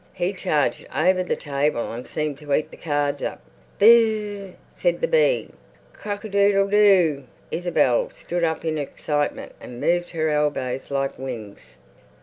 He charged over the table and seemed to eat the cards up. Bss ss! said the bee. Cock a doodle do! Isabel stood up in her excitement and moved her elbows like wings.